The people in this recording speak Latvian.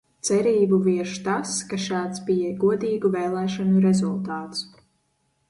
Cerību vieš tas, ka šāds bija godīgu vēlēšanu rezultāts.